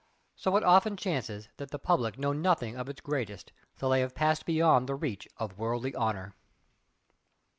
So it often chances that the public know nothing of its greatest till they have passed beyond the reach of worldly honour.